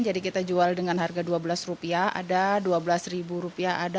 jadi kita jual dengan harga dua belas rupiah ada dua belas ribu rupiah ada satu dua ratus ada